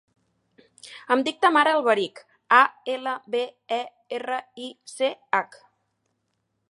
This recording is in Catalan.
Em dic Tamara Alberich: a, ela, be, e, erra, i, ce, hac.